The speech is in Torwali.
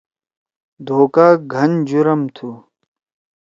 دھوکا گھن جُرم تُھو۔